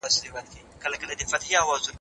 څوک د ناسمو معلوماتو د خپرېدو مخنیوی کوي؟